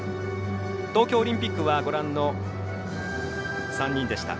東京オリンピックはご覧の３人でした。